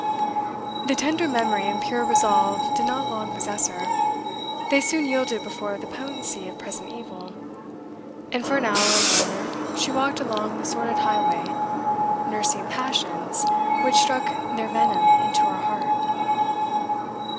The tender memory and pure resolve did not long possess her. They soon yielded before the potency of present evil, and for an hour or more she walked along the sordid highway, nursing passions which struck their venom into her heart.